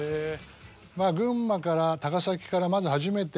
群馬から高崎からまず。